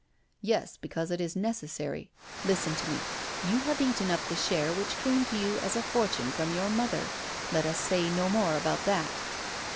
"Yes, because it is necessary. Listen to me! You have eaten up the share which came to you as a fortune from your mother. Let us say no more about that."